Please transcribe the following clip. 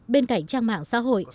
bên cạnh trang mạng xã hội